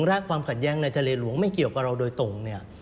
และความขัดแย้งในทะเลหลวงไม่เกี่ยวกับเราโดยตรงเนี่ย